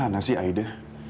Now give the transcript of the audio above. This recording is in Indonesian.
kemana sih aida